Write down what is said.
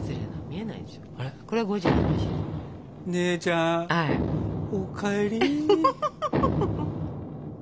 姉ちゃんお帰り。